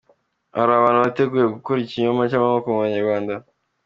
Hari abantu biteguye gukura ikinyoma cy’amoko mu banyarwanda.